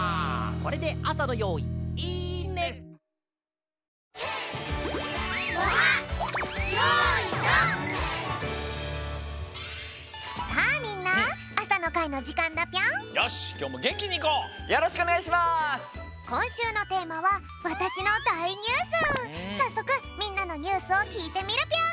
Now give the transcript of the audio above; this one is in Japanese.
こんしゅうのテーマはさっそくみんなのニュースをきいてみるぴょん！